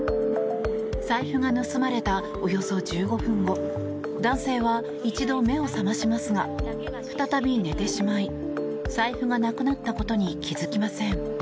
財布が盗まれた、およそ１５分後男性は一度、目を覚ましますが再び寝てしまい、財布がなくなったことに気づきません。